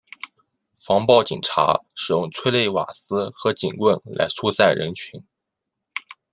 防暴警察使用催泪瓦斯和警棍来疏散人群。